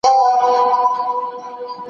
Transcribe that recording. هر انسان باید د ژوند فرصتونه وکاروي.